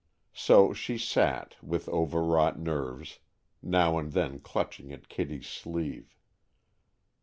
So she sat, with overwrought nerves, now and then clutching at Kitty's sleeve.